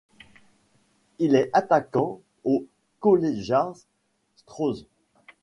Il est attaquant au Kolejarz Stróże.